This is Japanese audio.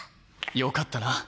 よかったな。